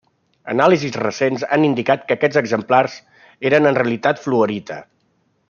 Anàlisis recents han indicat que aquests exemplars eren en realitat fluorita.